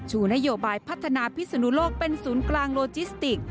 ชูนโยบายพัฒนาพิศนุโลกเป็นศูนย์กลางโลจิสติก